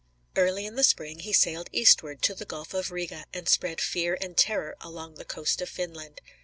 Early in the spring he sailed eastward to the Gulf of Riga and spread fear and terror along the coast of Finland.